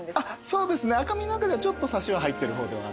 そうですね赤身の中ではちょっとサシは入ってる方ではある。